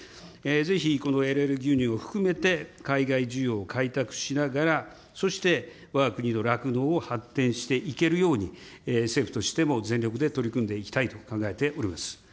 ぜひ、このＬＬ牛乳を含めて、海外需要を開拓しながら、そして、わが国の酪農を発展していけるように、政府としても全力で取り組んでいきたいと考えております。